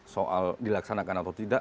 soal dilaksanakan atau tidak